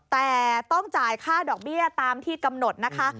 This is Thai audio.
แต่ต้องจ่ายค่าดอกเบี้ยตามที่กำหนดนะคะ